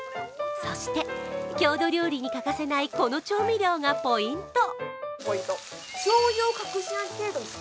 そして郷土料理に欠かせないこの調味料がポイント。